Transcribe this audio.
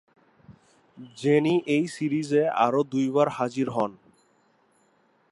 Jenny এই সিরিজে আরও দুইবার হাজির হন।